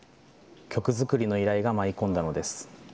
曲作りの依頼が舞い込んだのです。